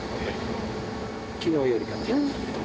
きのうよりかね。